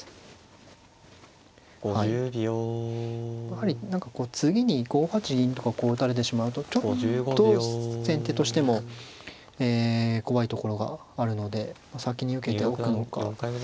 やはり何かこう次に５八銀とか打たれてしまうとちょっと先手としても怖いところがあるので先に受けておくのか。